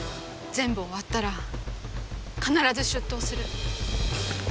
全部終わったら必ず出頭する。